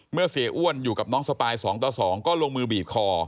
เสียอ้วนอยู่กับน้องสปาย๒ต่อ๒ก็ลงมือบีบคอ